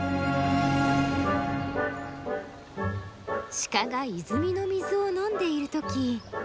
シカが泉の水を飲んでいる時